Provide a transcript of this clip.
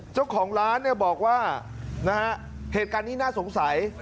เจ้าของร้านเนี่ยบอกว่านะฮะเหตุการณ์นี้น่าสงสัย